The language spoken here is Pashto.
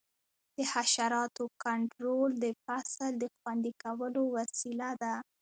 د حشراتو کنټرول د فصل د خوندي کولو وسیله ده.